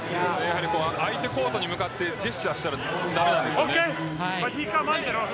相手コートに向かってジェスチャーしたら駄目なんです。